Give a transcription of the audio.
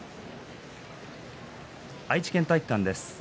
愛知県体育館です。